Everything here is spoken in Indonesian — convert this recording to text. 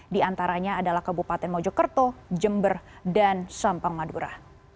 diantaranya adalah kabupaten mojokerto jember dan sampang madura